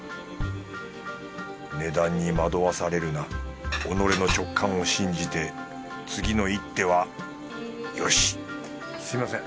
値段に惑わされるな己の直感を信じて次の一手はよしすみません